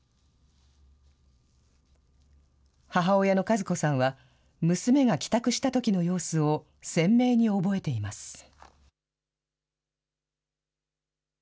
母親の和子さんは、娘が帰宅したときの様子を、鮮明に覚えています。